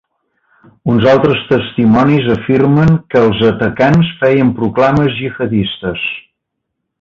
Uns altres testimonis afirmen que els atacants feien proclames gihadistes.